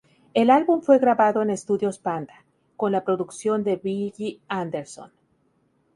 El álbum fue grabado en Estudios Panda, con la producción de Billy Anderson.